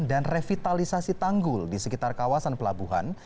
dan revitalisasi tanggul di sekitar kawasan pelabuhan